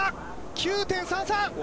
９．３３！